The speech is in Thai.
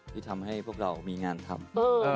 ที่ทำให้ทุกคนมีงานทำ